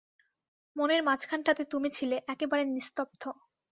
মনের মাঝখানটাতে তুমি ছিলে, একেবারে নিস্তব্ধ।